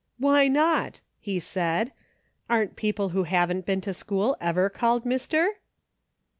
"Why not?" he said. "Aren't people who haven't been to school ever called mister